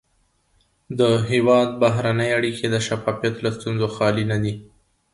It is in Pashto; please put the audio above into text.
د هېواد بهرنیو اړیکې د شفافیت له ستونزو خالي نه دي.